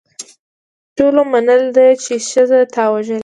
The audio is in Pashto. ټولو منلې ده چې ښځه تا وژلې.